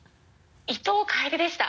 伊藤楓でした。